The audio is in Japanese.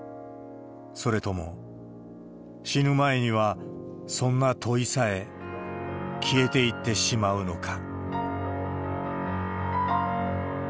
それとも、死ぬ前にはそんな問いさえ消えていってしまうのか。